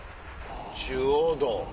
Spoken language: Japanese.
中央道。